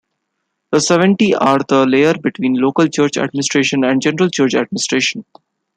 The seventy are the layer between local church administration and general church administration.